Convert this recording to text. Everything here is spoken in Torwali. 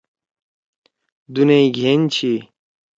دُنیئی گھین چھی۔